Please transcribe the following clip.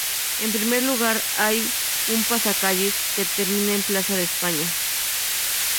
En primer lugar hay un pasacalles, que termina en Plaza de España.